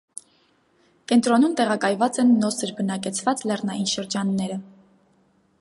Կենտրոնում տեղակայված են նոսր բնակեցված լեռնային շրջանները։